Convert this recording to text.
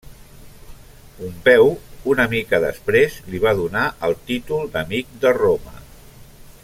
Pompeu una mica després li va donar el títol d'amic de Roma.